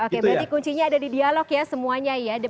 oke berarti kuncinya ada di dialog ya semuanya ya